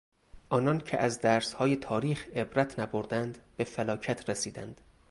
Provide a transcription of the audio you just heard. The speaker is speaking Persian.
آنان که از درسهای تاریخ عبرت نبردند به فلاکت رسیدند.